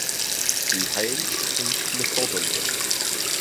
He hails from Nesodden.